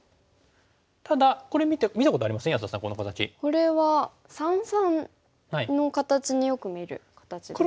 これは三々の形によく見る形ですか。